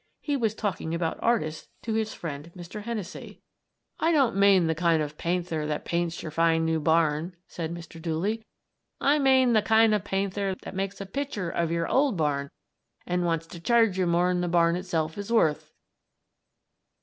He was talking about artists to his friend, Mr. Hennessey: "I don't mane the kind of painther that paints yer fine new barn," said Mr. Dooley. "I mane the kind of painther that makes a pitcher of yer old barn and wants to charge ye more'n the barn itself is worth."